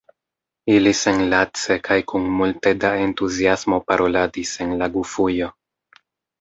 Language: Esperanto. Ili senlace kaj kun multe da entuziasmo paroladis en la Gufujo.